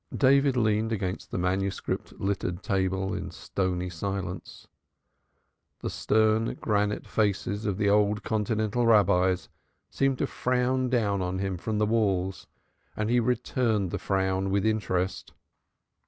David leaned against the manuscript littered table in stony silence. The stern granite faces of the old continental Rabbis seemed to frown down on him from the walls and he returned the frown with interest.